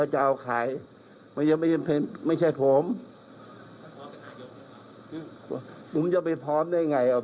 เอาจากในบัญชีค่ะในอนาคตหลังที่๖เกิดแล้ว